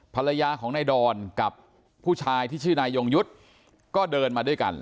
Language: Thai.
ภรรยาของนายดอนกับผู้ชายที่ชื่อนายยงยุทธ์ก็เดินมาด้วยกัน